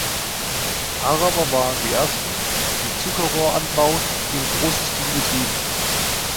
Araber waren die ersten, die den Zuckerrohranbau im größeren Stil betrieben.